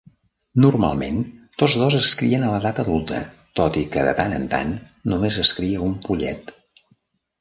Normalment, tots dos es crien a l'edat adulta, tot i que de tant en tant només es cria un pollet.